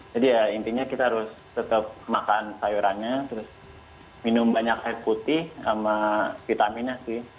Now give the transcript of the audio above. jadi ya intinya kita harus tetap makan sayurannya terus minum banyak air putih sama vitaminnya sih